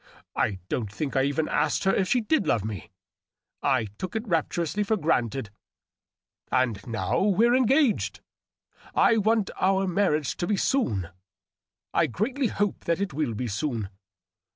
I don't think I even asked her if she did love me ; I tooK it rapturously for granted. .. And now we're engaged. I want our marriage to be soon; I Seatly hope that it will be soon.